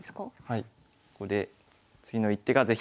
はい。